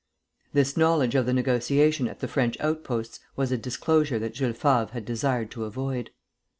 This knowledge of the negotiation at the French outposts was a disclosure that Jules Favre had desired to avoid.